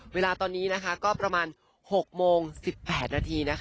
เวลาตอนนี้ก็ประมาณ๖โมง๑๘นาที